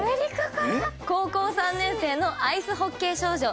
高校３年生のアイスホッケー少女。